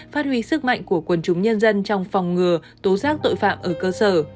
phát huy sức mạnh của quần chúng nhân dân trong phòng ngừa tố giác tội phạm ở cơ sở